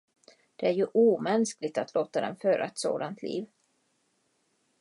Det är ju omänskligt att låta dem föra ett sådant liv!